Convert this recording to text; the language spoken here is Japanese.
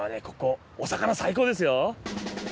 ここお魚最高ですよ。